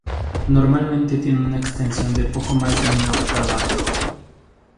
Normalmente tiene una extensión de poco más de una octava.